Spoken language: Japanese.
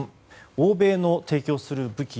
欧米の提供する武器